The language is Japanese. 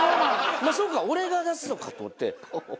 そうか俺が出すのかと思って。